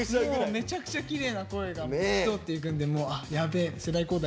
めちゃくちゃきれいな声が透き通っていくんであやべえ世代交代だって。